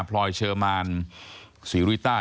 พลอยเชอร์มานศรีริต้า